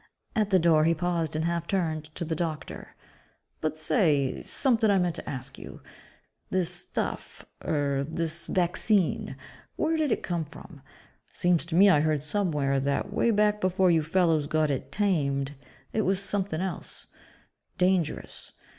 At the door he paused and half turned to the doctor, "But say ... something I meant to ask you. This 'stuff' ... er, this vaccine ... where did it come from? Seems to me I heard somewhere that, way back before you fellows got it 'tamed' it was something else dangerous.